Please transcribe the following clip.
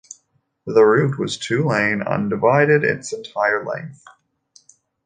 The route was two-lane, undivided its entire length.